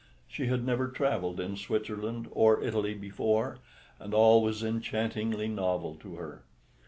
She had never travelled in Switzerland or Italy before and all was enchantingly novel to her.